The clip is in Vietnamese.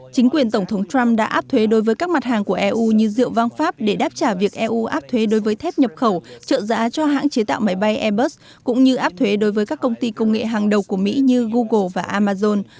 chính quyền tổng thống trump đã áp thuế đối với các mặt hàng của eu như rượu vang pháp để đáp trả việc eu áp thuế đối với thép nhập khẩu trợ giá cho hãng chế tạo máy bay airbus cũng như áp thuế đối với các công ty công nghệ hàng đầu của mỹ như google và amazon